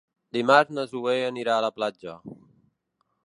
Dimarts na Zoè anirà a la platja.